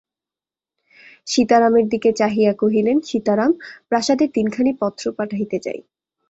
সীতারামের দিকে চাহিয়া কহিলেন, সীতারাম, প্রাসাদে তিনখানি পত্র পাঠাইতে চাই।